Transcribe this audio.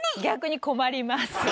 逆に困ります。